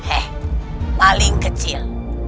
eh maling kecil